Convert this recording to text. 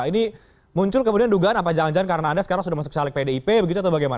ini muncul kemudian dugaan apa jangan jangan karena anda sekarang sudah masuk caleg pdip begitu atau bagaimana